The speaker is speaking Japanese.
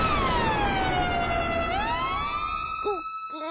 ゴックン。